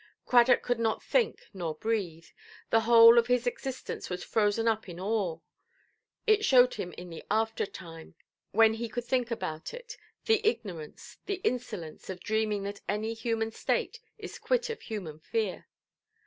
Cradock could not think nor breathe. The whole of his existence was frozen up in awe. It showed him in the after time, when he could think about it, the ignorance, the insolence, of dreaming that any human state is quit of human fear.